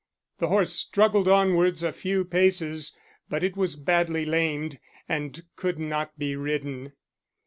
The horse struggled onwards a few paces, but it was badly lamed, and could not be ridden.